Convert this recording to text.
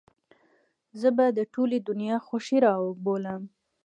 زه به د ټولې دنيا خوښۍ راوبولم.